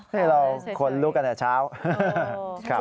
ใช่เราควรลุกกันตั้งแต่เช้า